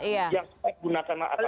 yang gunakan akal sehat